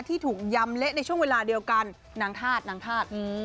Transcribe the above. ที่ถูกยำเละในช่วงเวลาเดียวกันนางธาตุนางธาตุ